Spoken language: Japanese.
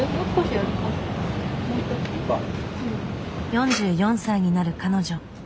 ４４歳になる彼女。